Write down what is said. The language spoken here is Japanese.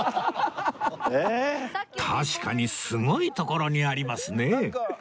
確かにすごい所にありますね